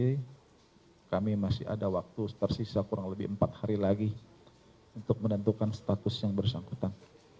tapi kami masih ada waktu tersisa kurang lebih empat hari lagi untuk menentukan status yang bersangkutan